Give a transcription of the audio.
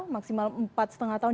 maksimal empat setengah tahun